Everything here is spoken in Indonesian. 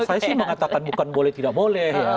saya sih mengatakan bukan boleh tidak boleh ya